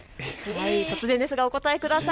突然ですがお答えください。